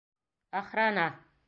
Охрана!